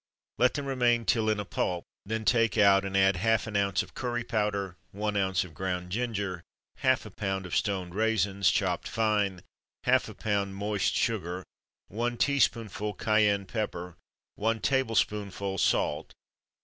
Let them remain till in a pulp, then take out, and add half an ounce of curry powder, one ounce of ground ginger, half a pound of stoned raisins, chopped fine, half a pound moist sugar, one teaspoonful cayenne pepper, one tablespoonful salt.